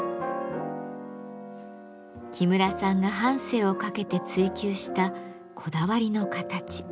喜邑さんが半生をかけて追求したこだわりの形。